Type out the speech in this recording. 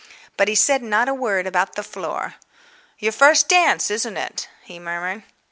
But he said not a word about the floor. "Your first dance, isn't it?" he murmured.